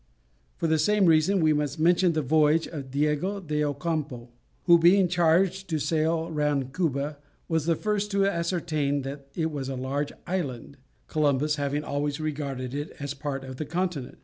For the same reason we must mention the voyage of Diego d'Ocampo, who being charged to sail round Cuba, was the first to ascertain the fact that it was a large island, Columbus having always regarded it as part of the continent.